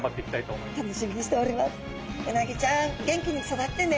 うなぎちゃん元気に育ってね！